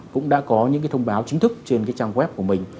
cũng đã có những cái thông báo chính thức trên cái trang web của mình